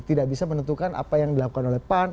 tidak bisa menentukan apa yang dilakukan oleh pan